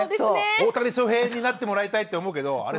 大谷翔平になってもらいたいって思うけどあれ